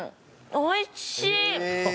おいしい！